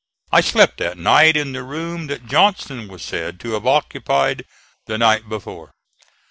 I slept that night in the room that Johnston was said to have occupied the night before.